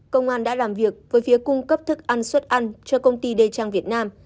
công an đã làm việc với phía cung cấp thức ăn suất ăn cho công ty đê trang việt nam